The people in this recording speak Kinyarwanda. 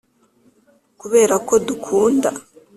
kubera ko dukunda